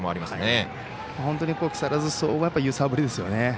本当に、木更津総合は揺さぶりですよね。